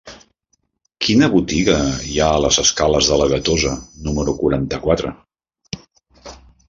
Quina botiga hi ha a les escales de la Gatosa número quaranta-quatre?